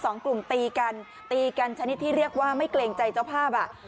สองกลุ่มตีกันตีกันชนิดที่เรียกว่าไม่เกรงใจเจ้าภาพอ่ะ